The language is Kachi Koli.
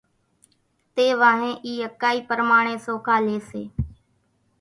تيوانۿين اِي اڪائي پرماڻي سوکا لي سي۔